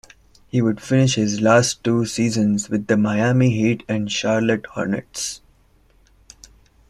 He would finish his last two seasons with the Miami Heat and Charlotte Hornets.